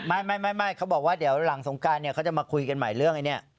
ไม่เขาบอกว่าเดี๋ยวหลังสงการเนี่ยเขาจะมาคุยกันใหม่เรื่องไอ้เนี่ย